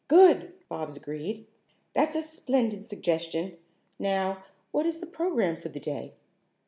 "Good!" Bobs agreed. "That's a splendid suggestion. Now what is the program for the day?"